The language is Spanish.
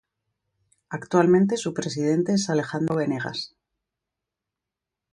Actualmente su presidente es Alejandro Venegas.